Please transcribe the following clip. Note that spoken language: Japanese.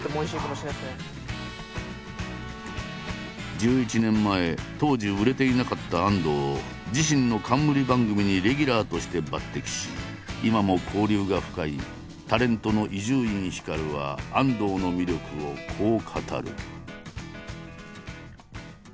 １１年前当時売れていなかった安藤を自身の冠番組にレギュラーとして抜てきし今も交流が深いタレントの伊集院光は安藤の魅力をこう語る。